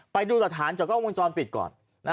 ไปดูตรฐานจอดกล้องวงจรปิดก่อน